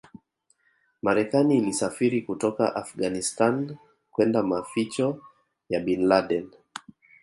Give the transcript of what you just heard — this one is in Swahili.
Marekani ilisafiri kutoka Afghanistan kwenda maficho ya Bin Laden